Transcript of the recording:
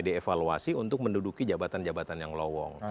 dievaluasi untuk menduduki jabatan jabatan yang lowong